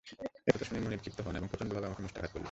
একথা শুনে মনিব ক্ষিপ্ত হল এবং প্রচণ্ড ভাবে আমাকে মুষ্টাঘাত করল।